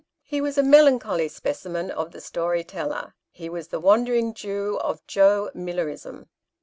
He was a melancholy specimen of the story teller. He was the wandering Jew of Joe Millerism.